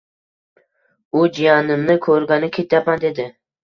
U jiyanimni koʻrgani ketyapman dedi.